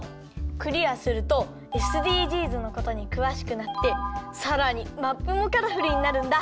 クリアするとＳＤＧｓのことにくわしくなってさらにマップもカラフルになるんだ。